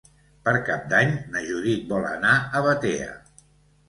Per Cap d'Any na Judit vol anar a Batea.